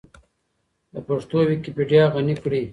د پښتو ويکيپېډيا غني کړئ.